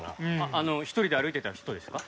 あの１人で歩いてた人ですか？